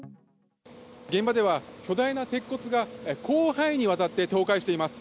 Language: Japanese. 現場では巨大な鉄骨が広範囲にわたって倒壊しています。